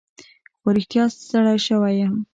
خو رښتیا ستړی شوی یم.